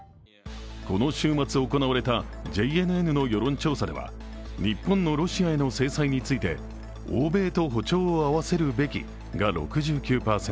この週末行われたＪＮＮの世論調査では日本のロシアへの制裁について、欧米と歩調を合わせるべきが６９％。